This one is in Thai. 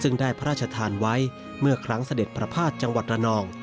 ซึ่งได้พระราชทานไว้เมื่อครั้งเสด็จประพาทจังหวัดระนอง